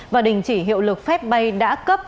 và đình chỉ hiệu lực phép bay đã cấp